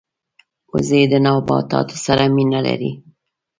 وزې د نباتاتو سره مینه لري